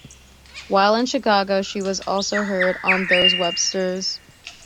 While in Chicago, she was also heard on "Those Websters".